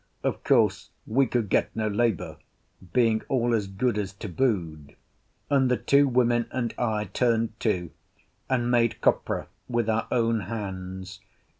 Of course we could get no labour, being all as good as tabooed, and the two women and I turned to and made copra with our own hands.